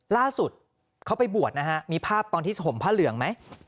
ล่าสุดเขาไปบวชนะฮะมีภาพตอนที่ห่มผ้าเหลืองไหม